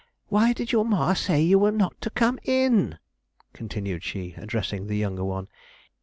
Why did your ma say you were not to come in?' continued she, addressing the younger one.